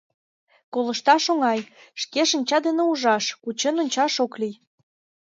Колышташ оҥай, шке шинча дене ужаш, кучен ончаш ок лий.